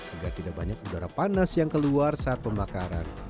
agar tidak banyak udara panas yang keluar saat pembakaran